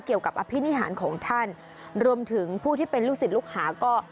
กับอภินิหารของท่านรวมถึงผู้ที่เป็นลูกศิษย์ลูกหาก็